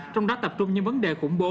trong đó tập trung những vấn đề khủng bố